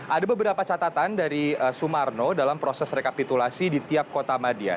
ada beberapa catatan dari sumarno dalam proses rekapitulasi di tiap kota madia